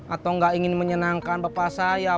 atau nggak ingin menyenangkan bapak saya